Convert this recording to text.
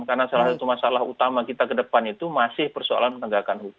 karena salah satu masalah utama kita ke depan itu masih persoalan penegakan hukum